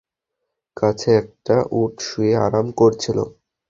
কাছে একটি উট শুয়ে আরাম করছিল।